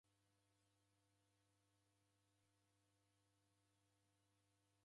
Neloswa nesindaw'ingishwa ni mndu wa isu.